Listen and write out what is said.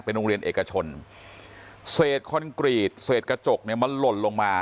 โรงเรียนเอกชนเศษคอนกรีตเศษกระจกเนี่ยมันหล่นลงมา